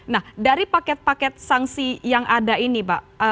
nah dari paket paket sanksi yang ada ini pak